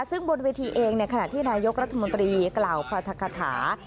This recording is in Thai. ซึ่งบนเวทีเองในขณะที่นายกรัฐมนตรีกล่าวพระธกคาถา